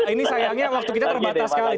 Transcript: ini sayangnya waktu kita terbatas sekali